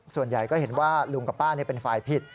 ส่วนใหญ่ก็เห็นว่าลุงกับป้าเป็นฝ่ายผิด